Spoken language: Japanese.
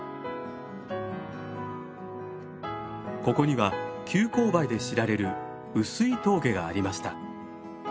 ここには急勾配で知られる碓氷峠がありました。